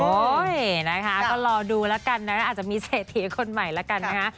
นะคะก็รอดูแล้วกันนะอาจจะมีเศรษฐีคนใหม่แล้วกันนะคะ